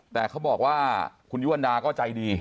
แต่เขาบอกว่าคุณยุวันดาก็ใจดี